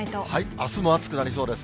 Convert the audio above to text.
あすも暑くなりそうです。